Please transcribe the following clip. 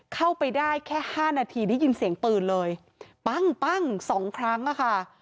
เข้าไปได้แค่๕นาทีได้ยินเสียงปืนเลยปั้งปั้งสองครั้งอะค่ะ